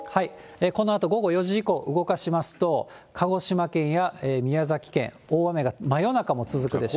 このあと午後４時以降、動かしますと、鹿児島県や宮崎県、大雨が真夜中も続くでしょう。